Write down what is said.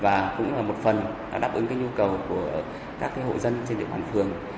và cũng là một phần đã đáp ứng nhu cầu của các hội dân trên địa bàn phường